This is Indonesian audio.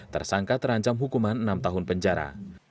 tersangka terancam hukuman enam tahun penjara